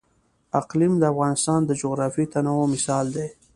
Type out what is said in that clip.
اقلیم د افغانستان د جغرافیوي تنوع مثال دی.